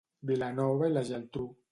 Vilanova i la Geltrú.